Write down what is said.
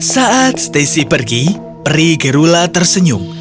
saat stacy pergi peri gerula tersenyum